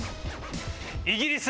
イギリス。